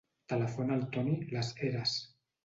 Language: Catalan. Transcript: Telefona al Toni Las Heras.